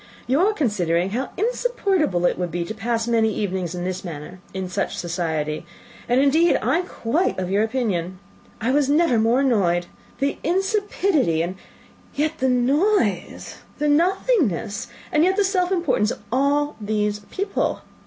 "You are considering how insupportable it would be to pass many evenings in this manner, in such society; and, indeed, I am quite of your opinion. I was never more annoyed! The insipidity, and yet the noise the nothingness, and yet the self importance, of all these people!